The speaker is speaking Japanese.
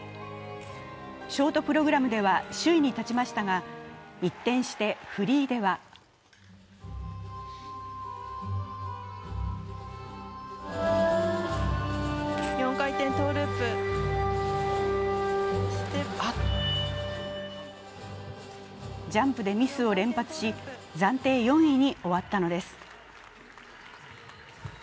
ショートプログラムでは首位に立ちましたが一転してフリーではジャンプでミスを連発し暫定４位に終わったのです。